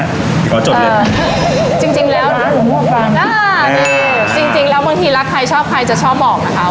ความรักพระพระจริงจริงแล้วบางทีรักใครชอบใครจะชอบบอกนะคะ